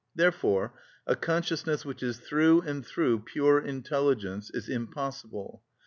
Therefore a consciousness which is through and through pure intelligence is impossible.